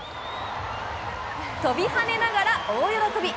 飛び跳ねながら大喜び。